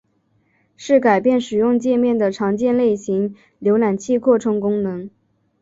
是改变使用介面的常见类型浏览器扩充功能。